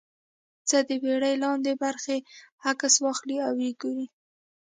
څخه د بېړۍ لاندې برخې عکس واخلي او وګوري